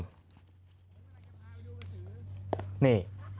สั่นมาดูกระสือ